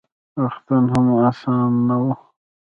روغتون هم اسان نه و: